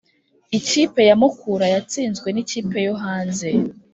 Ikipe ya mukura yatsinzwe nikipe yohanze